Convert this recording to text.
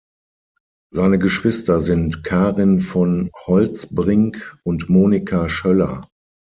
Seine Geschwister sind Karin von Holtzbrinck und Monika Schoeller.